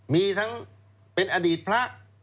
มีทั้งเป็นอดีตพระ